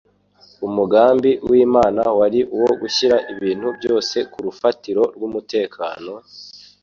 Umugambi w'Imana wari uwo gushyira ibintu byose ku rufatiro rw'umutekano,